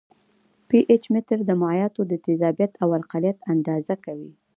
پي ایچ متر د مایعاتو تیزابیت او القلیت اندازه کوي.